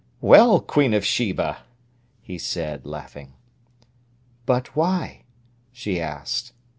"Well, Queen of Sheba!" he said, laughing. "But why?" she asked.